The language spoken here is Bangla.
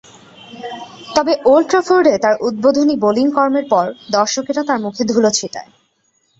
তবে, ওল্ড ট্রাফোর্ডে তার উদ্বোধনী বোলিং কর্মের পর দর্শকেরা তার মুখে ধুলো ছিটায়।